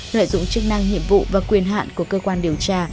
lợi dụng chức năng nhiệm vụ và quyền hạn của cơ quan điều tra